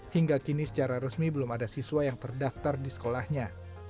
hingga kini secara resmi belum ada siswa yang terdaftar di sekolahnya